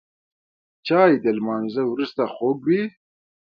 چای د لمانځه وروسته خوږ وي